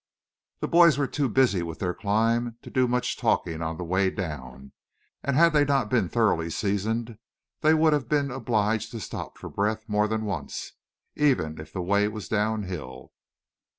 ] The boys were too busy with their climb to do much talking on the way down, and had they not been thoroughly seasoned they would have been obliged to stop for breath more than once, even if the way was down hill.